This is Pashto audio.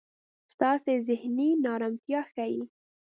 ستاسې زهني نا ارمتیا ښي.